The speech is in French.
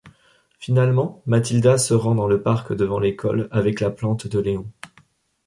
Finalement, Mathilda se rend dans le parc devant l'école, avec la plante de Léon.